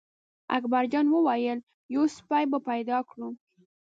اکبر جان وویل: یو سپی به پیدا کړو.